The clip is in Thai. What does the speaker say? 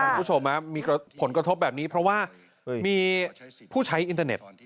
คุณผู้ชมมีผลกระทบแบบนี้เพราะว่ามีผู้ใช้อินเทอร์เน็ต